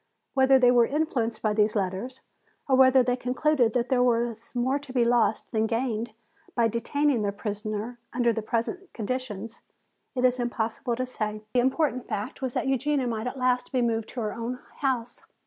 Whether they were influenced by these letters, or whether they concluded that there was more to be lost than gained by detaining their prisoner under the present conditions, it is impossible to say. The important fact was that Eugenia might at last be moved to her own house.